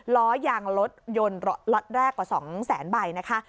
ล้อยางรถยนต์ล็อตแรกกว่า๒แสนใบนะคะ